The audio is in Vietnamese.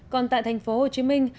còn tại thành phố hồ chí minh